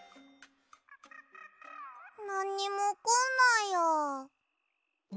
なんにもおこんないや。